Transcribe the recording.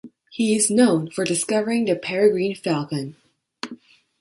He is known for discovering the Peregrine falcon.